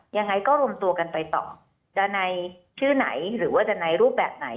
ยังไงก็รวมตัวกันไปต่อจะในชื่อไหนหรือว่าจะในรูปแบบไหน